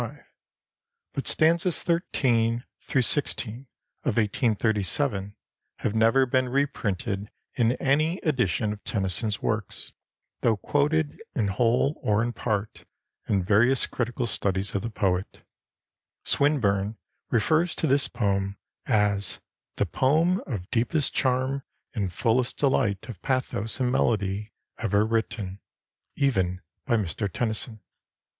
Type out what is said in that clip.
But stanzas xiii xvi of 1837 have never been reprinted in any edition of Tennyson's works, though quoted in whole or part in various critical studies of the poet. Swinburne refers to this poem as 'the poem of deepest charm and fullest delight of pathos and melody ever written, even by Mr Tennyson.'